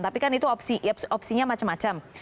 tapi kan itu opsi ya opsinya macam macam